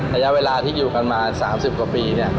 ระยะเวลาที่อยู่กันมา๓๐กว่าปี